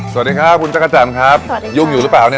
สวัสดีค่ะคุณจักรจันครับสวัสดีค่ะยุ่งอยู่หรือเปล่าเนี่ย